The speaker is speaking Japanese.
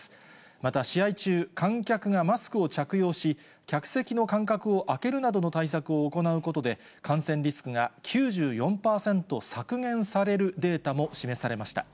また、試合中、観客がマスクを着用し、客席の間隔を空けるなどの対策を行うことで、感染リスクが９４％削減されるデータも示されました。